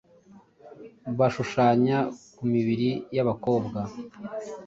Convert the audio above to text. bashushanya ku mibiri y’abakobwa